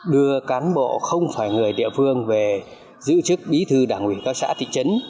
đưa cán bộ không phải người địa phương về giữ chức bí thư đảng ủy các xã thị trấn